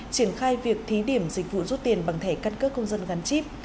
triển khai việc thí điểm dịch vụ rút tiền bằng thẻ căn cước công dân gắn chip